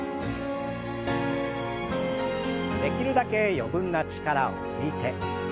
できるだけ余分な力を抜いて。